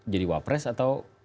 jadi wapres atau